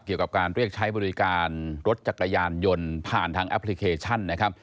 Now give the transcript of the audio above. เกี่ยวกับการเรียกใช้บริการรถจักรยานยนต์ผ่านทางแอปพลิเคชันนะครับ